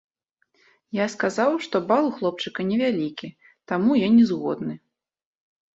Я сказаў, што бал у хлопчыка невялікі, таму я не згодны.